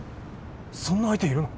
そんな相手いるの？